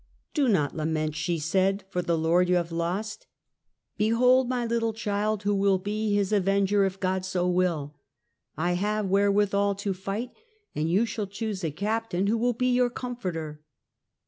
"Do not lament," she said, " for the lord you have lost ; behold my little child, who will be his avenger if God so will. I have wherewithal to fight, and you shall choose a captain who will be your comforter."